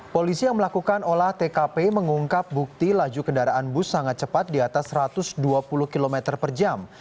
polisi yang melakukan olah tkp mengungkap bukti laju kendaraan bus sangat cepat di atas satu ratus dua puluh km per jam